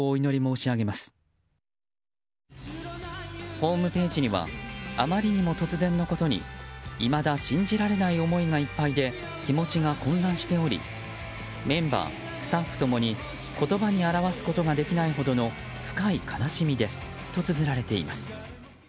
ホームページにはあまりにも突然のことにいまだ信じられない思いがいっぱいで気持ちが混乱しておりメンバー、スタッフ共に言葉に表すことができないほどの深い悲しみですとつづられています。